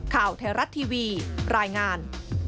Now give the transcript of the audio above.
ข่าวไทยรัฐทีวีรายงาน